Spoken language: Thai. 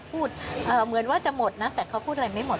พูดเหมือนว่าจะหมดนะแต่เขาพูดอะไรไม่หมด